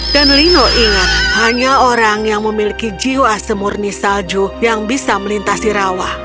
dan lino ingat hanya orang yang memiliki jiwa semurni salju yang bisa melintasi rawa